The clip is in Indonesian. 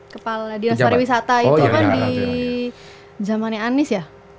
kepala dinas pariwisata itu kan di zamannya anies ya